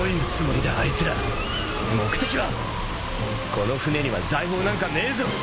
この船には財宝なんかねえぞ！？